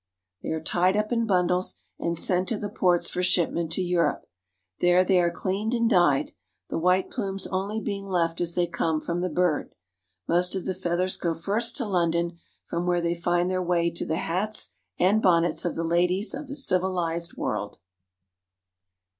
They are tied up in bundles and sent to the ports for shipment to Europe. There they are cleaned and dyed, the white plumes only being left as they come from the bird. Most of the feathers go first to London ; from where they find their way to the hats and bonnets of the ladies of the civilized world.